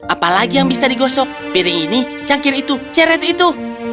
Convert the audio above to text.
apalagi yang bisa digosok piring ini cangkir itu ceret itu